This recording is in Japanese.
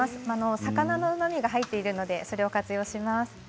魚のうまみが入ってるのでそれを活用します。